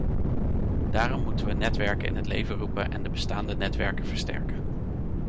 Daarom moeten we netwerken in het leven roepen en de bestaande netwerken versterken.